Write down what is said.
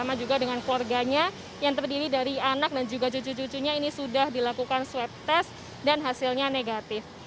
sama juga dengan keluarganya yang terdiri dari anak dan juga cucu cucunya ini sudah dilakukan swab test dan hasilnya negatif